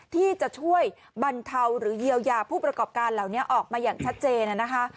ที่จะช่วยบรรเทาหรือเยียวยาผู้ประกอบการเหล่านี้ออกมาอย่างชัดเจนนะคะ